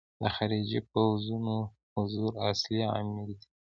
د خارجي پوځونو حضور اصلي عامل دی.